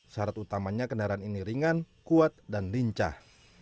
syarat utamanya kendaraan ini ringan kuat dan lincah